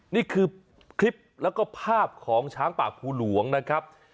นี่คือคลิปแล้วก็ภาพของช้างป่าภูหลวงนะครับ